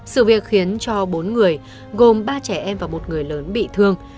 sự việc khiến cho bốn người gồm ba trẻ em và một người lớn bị thương